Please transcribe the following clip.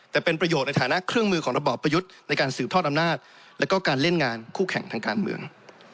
แต่เป็นประโยชน์ในฐานะเครื่องมือของระบอบประยุทธ์ในการสืบทอดอำนาจแล้วก็การเล่นงานคู่แข่งทางการเมือง